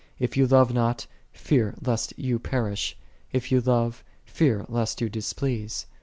If j you love not, fear lest you perish; if you love, fear lest you displease.